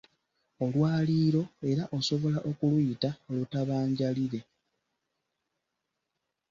Olwaliiro era osobola okuluyita Olutabanjaliire.